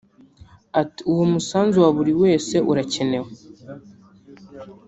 Ati “Uwo musanzu wa buri wese urakenewe